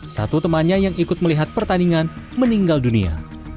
satu temannya yang ikut melihat pertandingan meninggal dunia